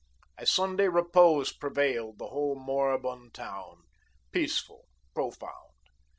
A Sunday repose prevailed the whole moribund town, peaceful, profound.